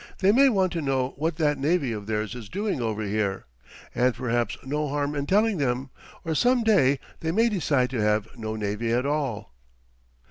They may want to know what that navy of theirs is doing over here. And perhaps no harm in telling them or some day they may decide to have no navy at all."